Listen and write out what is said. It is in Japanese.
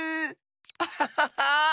アハハハッ。